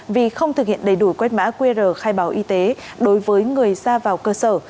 vì không thực hiện đầy đủ quét mã qr khai báo y tế đối với người ra vào cơ sở